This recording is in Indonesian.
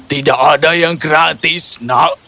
tidak ada yang gratis nak